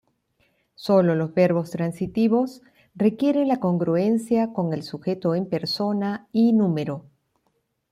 Solo los verbos transitivos requieren la congruencia con el sujeto en persona y número.